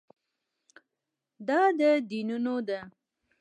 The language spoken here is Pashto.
دا د دینونو ده.